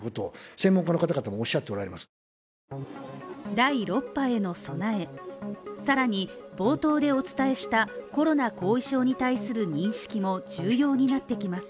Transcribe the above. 第６波への備え更に冒頭でお伝えしたコロナ後遺症に対する認識も重要になってきます。